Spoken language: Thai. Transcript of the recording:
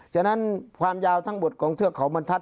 ฉะนั้นความยาวทั้งหมดของเทือกเขาบรรทัศ